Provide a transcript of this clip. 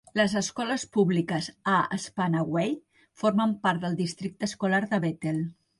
Les escoles públiques a Spanaway formen part del districte escolar de Bethel.